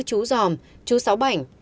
chú giòm chú sáu bảnh